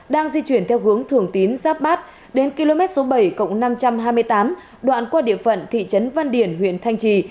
đang di chuyển theo hướng thường tín giáp bát đến km số bảy cộng năm trăm hai mươi tám đoạn qua địa phận thị trấn văn điển huyện thanh trì